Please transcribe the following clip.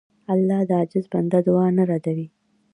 الله د عاجز بنده دعا نه ردوي.